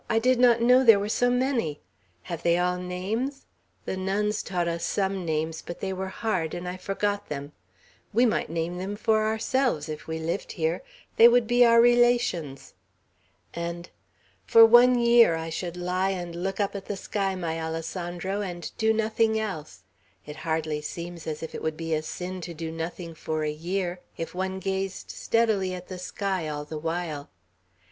I did not know there were so many. Have they all names? The nuns taught us some names; but they were hard, and I forgot them, We might name them for ourselves, if we lived here. They would be our relations." And, "For one year I should lie and look up at the sky, my Alessandro, and do nothing else. It hardly seems as if it would be a sin to do nothing for a year, if one gazed steadily at the sky all the while."